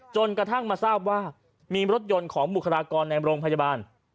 จนกระทั่งมาทราบว่ามีรถยนต์ของบุคลากรในโรงพยาบาล